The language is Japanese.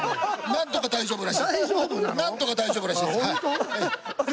なんとか大丈夫らしいです。